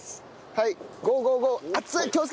はい。